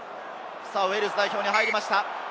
ウェールズ代表に入りました。